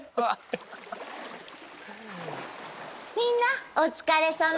みんなお疲れさま！